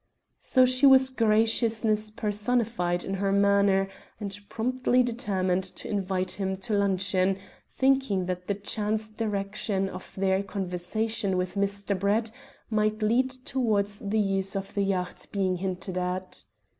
So she was graciousness personified in her manner, and promptly determined to invite him to luncheon, thinking that the chance direction of their conversation with Mr. Brett might lead towards the use of the yacht being hinted at.